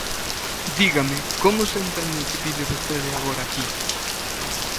Dígame: ¿como se entende o que pide vostede agora aquí?